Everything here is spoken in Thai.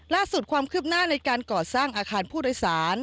ล่าสุดความคืบหน้าในการก่อสร้างอาคารผู้โดยสาร